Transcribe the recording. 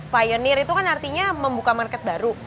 pionir itu kan artinya membuka market baru